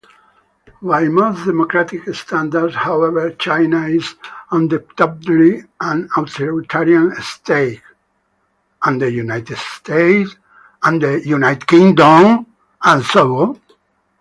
By most democratic standards, however, China is undoubtedly an authoritarian state.